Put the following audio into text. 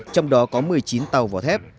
trong đó có một mươi chín tàu vỏ thép